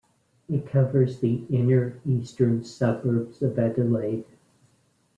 It covers the inner eastern suburbs of Adelaide.